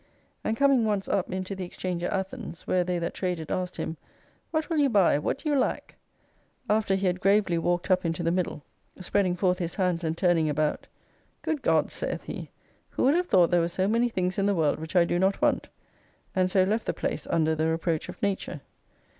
And coming once up into the Exchange at Athens, where they that traded asked him. What will you buy ; what do you lack ? After he had gravely walked up into the middle, spreading 27 forth his hands and turning about, Good Gods, saith he, who would have thought there were so many things in the world which I do not want 1 And so left the place under the reproach of Nature.